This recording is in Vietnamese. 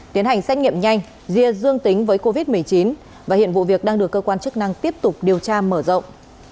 tiến hành xét nghiệm nhanh riêng dương tính với covid một mươi chín và hiện vụ việc đang được cơ quan chức năng tiếp tục điều tra mở rộng